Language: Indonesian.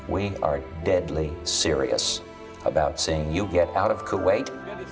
kita sangat serius mengingat anda akan keluar dari kuwait